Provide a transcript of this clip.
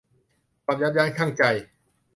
ความยับยั้งชั่งใจ